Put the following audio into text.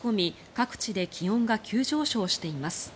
各地で気温が急上昇しています。